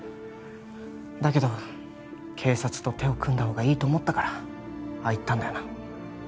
だけど警察と手を組んだ方がいいと思ったからああ言ったんだよな？